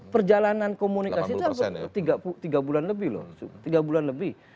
perjalanan komunikasi itu tiga bulan lebih loh tiga bulan lebih